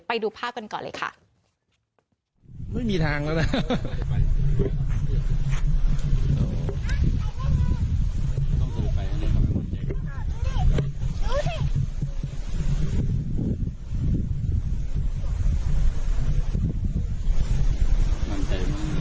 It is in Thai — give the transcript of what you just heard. ไปดูภาพกันก่อนเลยค่ะไม่มีทางแล้วนะ